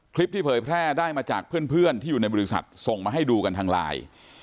คลิปที่เผยแพร่ได้มาจากเพื่อนที่อยู่ในบริษัทส่งมาให้ดูกันทางไลน์